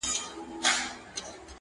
بې نوره ورځي بې شمعي شپې دي -